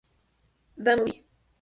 The Movie.